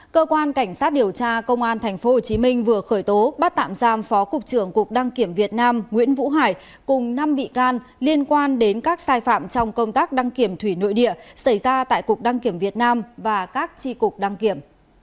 cơ quan cảnh sát điều tra công an tp hcm vừa khởi tố bắt tạm giam phó cục trưởng cục đăng kiểm việt nam nguyễn vũ hải cùng năm bị can liên quan đến các sai phạm trong công tác đăng kiểm thủy nội địa xảy ra tại cục đăng kiểm việt nam và các tri cục đăng kiểm